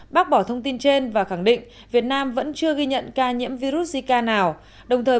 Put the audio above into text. bác bỏ thông tin trên và khẳng định việt nam vẫn chưa ghi nhận ca nhiễm virus zika nào